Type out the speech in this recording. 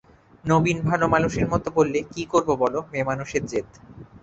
নবীন ভালোমানুষের মতো বললে, কী করব বলো, মেয়েমানুষের জেদ।